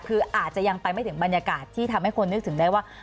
คืออาจจะยังไปไม่ถึงบรรยากาศที่ทำให้คนนึกถึงได้ว่า